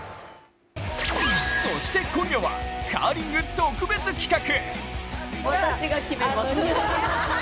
そして今夜はカーリング特別企画。